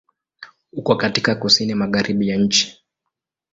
Uko katika Kusini Magharibi ya nchi.